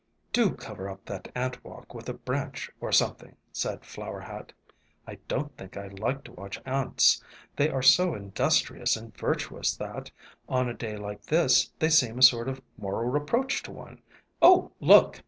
" Do cover up that ant walk with a branch or something," said Flower Hat. "I don't think I like to watch ants; they are so industrious and virtuous that, on a day like this, they seem a sort of moral reproach to one. Oh, look!"